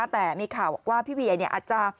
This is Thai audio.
แต่มีข่าวบอกว่าพี่เวียอาจจะ